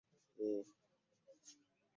Ettaka lya mu kibuga ligula buwanana.